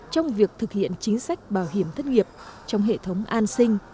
trong việc thực hiện chính sách bảo hiểm thất nghiệp trong hệ thống an sinh